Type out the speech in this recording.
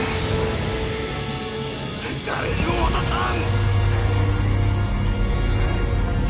誰にも渡さん！